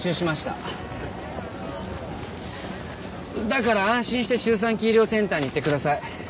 だから安心して周産期医療センターに行ってください。